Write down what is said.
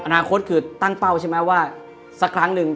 อนาคตคือตั้งเป้าใช่ไหมว่าสักครั้งหนึ่ง